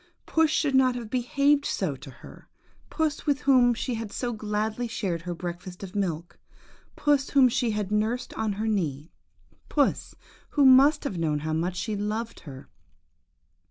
Puss should not have behaved so to her; puss, with whom she had so gladly shared her breakfast of milk; puss, whom she had nursed on her knee; puss, who must have known how much she loved her!